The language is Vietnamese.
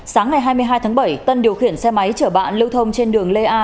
sáng ngày hai mươi hai tháng bảy tân điều khiển xe máy chở bạn lưu thông trên đường lê a